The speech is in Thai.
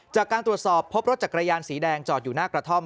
จากการตรวจสอบพบรถจักรยานสีแดงจอดอยู่หน้ากระท่อม